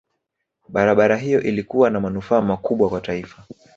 barabara hiyo ilikuwa na manufaa makubwa kwa taifa